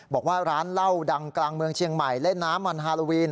บอกว่าร้านเหล้าดังกลางเมืองเชียงใหม่เล่นน้ำมันฮาโลวีน